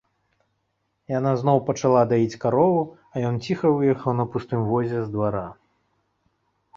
Яна зноў пачала даіць карову, а ён ціха выехаў на пустым возе з двара.